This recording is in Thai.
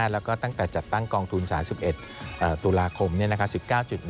แล้วก็ตั้งแต่จัดตั้งกองทุน๓๑ตุลาคม๑๙จุด